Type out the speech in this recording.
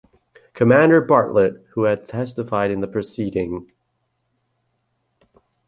Commander Bartlett who had testified in the proceeding.